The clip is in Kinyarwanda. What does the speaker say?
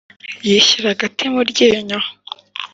yishyira agati mu ryinyo